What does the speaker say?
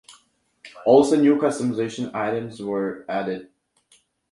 Also, new customization items were added.